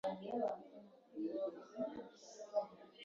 Ntabwo uzakunda gutya.